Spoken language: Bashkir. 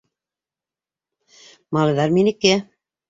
Малайҙар - минеке!